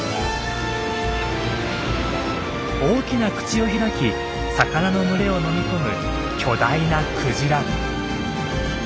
大きな口を開き魚の群れを飲み込む巨大なクジラ。